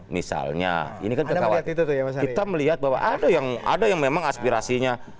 misalnya kita melihat bahwa ada yang memang aspirasinya